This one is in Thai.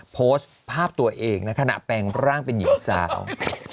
โพสต์ภาพตัวเองในขณะแปลงร่างเป็นหญิงสาว